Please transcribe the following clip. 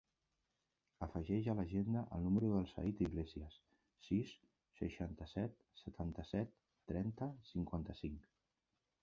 Afegeix a l'agenda el número del Zaid Iglesia: sis, seixanta-set, setanta-set, trenta, cinquanta-cinc.